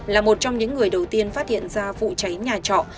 là một trong những người đầu tiên phát hiện ra vụ cháy nhà trọ